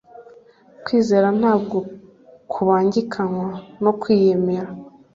Kwizera ntabwo kubangikanya no kwiyemera.